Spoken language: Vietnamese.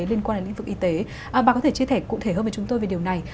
liên quan đến lĩnh vực y tế bà có thể chia sẻ cụ thể hơn với chúng tôi về điều này